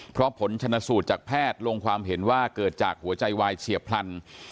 เพราะผลชนสูตรจากแพทย์ลงความเห็นว่าเกิดจากหัวใจวายเฉียบพลัน